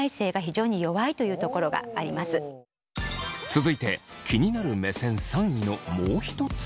続いて気になる目線３位のもう一つ。